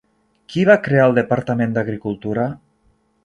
Qui va crear el Departament d'Agricultura?